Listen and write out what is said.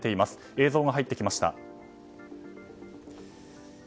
映像が入ってきました。